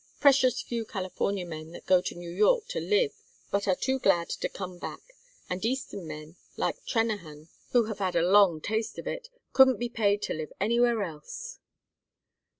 Precious few California men that go to New York to live but are too glad to come back; and Eastern men, like Trennahan, who have had a long taste of it, couldn't be paid to live anywhere else."